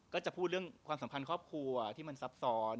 ก็จะพูดเรื่องความสัมพันธ์ครอบครัวที่มันซับซ้อน